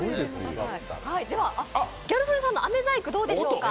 では、ギャル曽根さんの飴細工どうでしょうか。